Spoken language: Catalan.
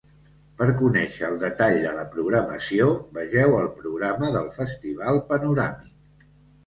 Per conèixer el detall de la programació, vegeu el Programa del Festival Panoràmic.